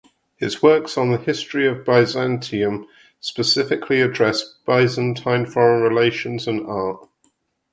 His works on the history of Byzantium specifically address Byzantine foreign relations and art.